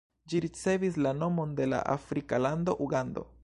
Ĝi ricevis la nomon de la afrika lando Ugando.